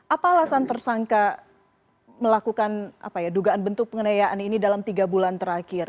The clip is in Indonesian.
apa alasan tersangka melakukan dugaan bentuk pengenayaan ini dalam tiga bulan terakhir